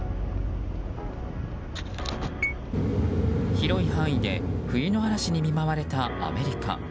広い範囲で冬の嵐に見舞われたアメリカ。